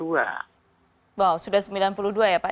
wow sudah sembilan puluh dua ya pak